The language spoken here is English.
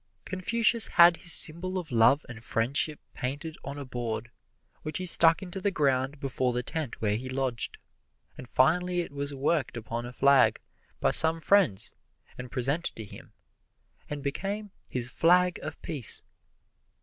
Confucius had his symbol of love and friendship painted on a board, which he stuck into the ground before the tent where he lodged; and finally it was worked upon a flag by some friends and presented to him, and became his flag of peace.